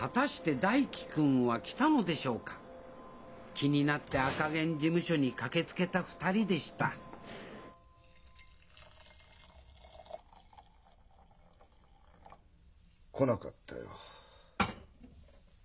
気になって赤ゲン事務所に駆けつけた２人でした来なかったよ。